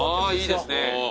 いいですね。